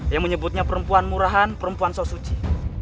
yang menyebutnya perempuan murahan perempuan sosuci